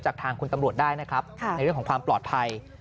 ทางคุณตำรวจได้นะครับในเรื่องของความปลอดภัย